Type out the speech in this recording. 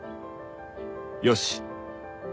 よし！